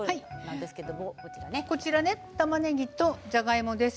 こちら、たまねぎとじゃがいもです。